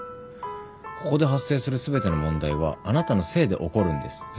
ここで発生する全ての問題はあなたのせいで起こるんです。